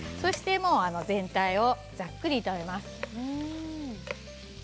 全体をざっくり炒めます。